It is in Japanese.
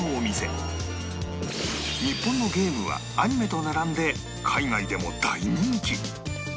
日本のゲームはアニメと並んで海外でも大人気